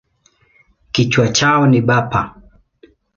Kichwa chao ni bapa.